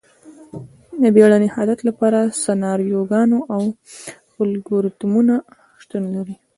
د بیړني حالت لپاره سناریوګانې او الګوریتمونه شتون لري.